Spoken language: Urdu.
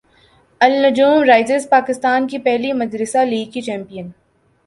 النجوم رائزرز پاکستان کی پہلی مدرسہ لیگ کی چیمپیئن